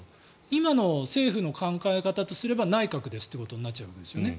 今の政府の考え方とすれば内閣ですということになっちゃうんですね。